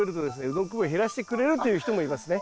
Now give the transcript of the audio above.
うどんこ病を減らしてくれるという人もいますね。